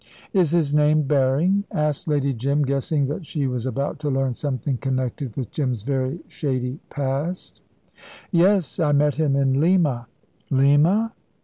"Is his name Berring?" asked Lady Jim, guessing that she was about to learn something connected with Jim's very shady past. "Yes; I met him in Lima." "Lima?"